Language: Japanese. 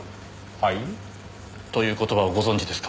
はい？という言葉をご存じですか？